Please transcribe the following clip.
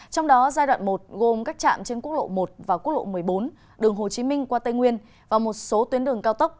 trong đó giai đoạn một gồm các trạm trên quốc lộ một và quốc lộ một mươi bốn đường hồ chí minh qua tây nguyên và một số tuyến đường cao tốc